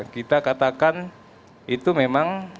kita katakan itu memang